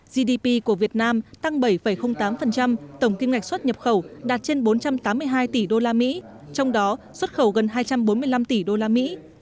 gdp của việt nam tăng bảy tám tổng kim ngạch xuất nhập khẩu đạt trên bốn trăm tám mươi hai tỷ đô la mỹ trong đó xuất khẩu gần hai trăm bốn mươi năm tỷ đô la mỹ